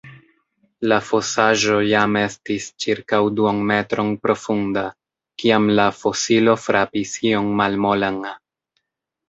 La fosaĵo jam estis ĉirkaŭ duonmetron profunda, kiam la fosilo frapis ion malmolan.